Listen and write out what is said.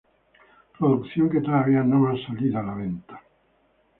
Producción que todavía no salio a la venta.